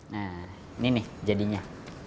nah ini nih jadinya